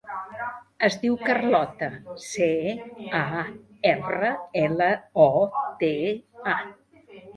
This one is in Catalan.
Es diu Carlota: ce, a, erra, ela, o, te, a.